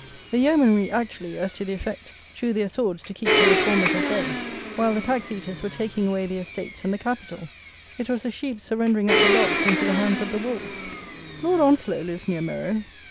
The yeomanry actually, as to the effect, drew their swords to keep the reformers at bay, while the tax eaters were taking away the estates and the capital. It was the sheep surrendering up the dogs into the hands of the wolves. Lord Onslow lives near Merrow.